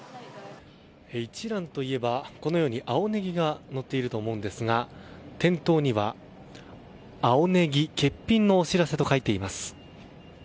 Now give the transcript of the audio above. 一蘭といえば青ネギがのっていると思いますが店頭には、青ネギ欠品のお知らせと書いています。